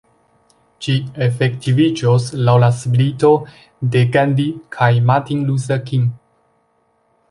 Ĝi efektiviĝos laŭ la spirito de Gandhi kaj Martin Luther King.